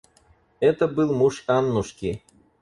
Это был муж Аннушки.